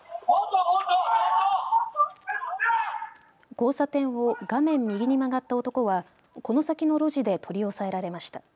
交差点を画面右に曲がった男はこの先の路地で取り押さえられました。